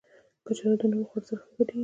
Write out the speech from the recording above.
کچالو د نورو خوړو سره ښه ګډېږي